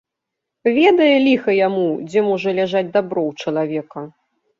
Ведае, ліха яму, дзе можа ляжаць дабро ў чалавека.